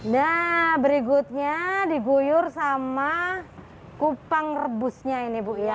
nah berikutnya diguyur sama kupang rebusnya ini bu ya